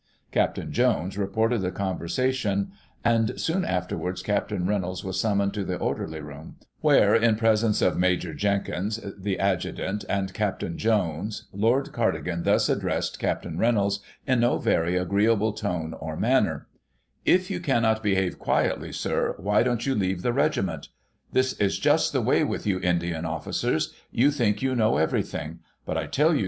Capt. Jones reported the conversation ; and, soon afterwards, Capt. Reynolds was summoned to the orderly room; where, in presence of Major Jenkins, the adjutant, and Capt. Jones, Lord Cardigan thus addressed Capt Rey nolds, in no very agreeable tone, or manner :* If you cannot behave quietly, Sir, why don't you leave the regiment ^ This is just the way with you Indian officers ; you think you know everything; but I tell you.